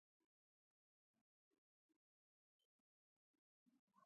خونه پاکوي.